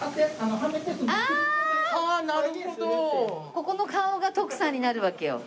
ここの顔が徳さんになるわけよ。